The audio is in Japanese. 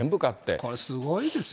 これ、すごいですよ。